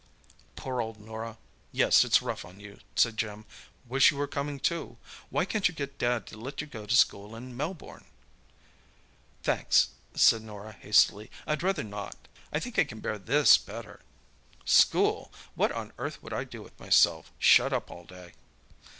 "Poor old Norah—yes, it's rough on you," said Jim. "Wish you were coming too. Why can't you get Dad to let you go to school in Melbourne?" "Thanks," said Norah hastily, "I'd rather not. I think I can bear this better. School! What on earth would I do with myself, shut up all day?"